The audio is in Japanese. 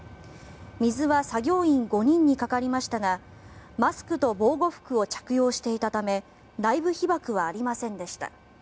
水は作業員５人にかかりましたがマスクと防護服を着用していたため内部被ばくはありませんでした。